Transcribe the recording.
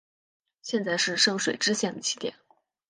现在是圣水支线的起点。